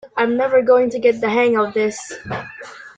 I’m never going to get the hang of this.